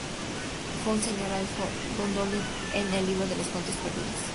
Fue un señor elfo de Gondolin en "El libro de los cuentos perdidos".